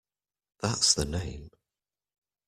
That's the name.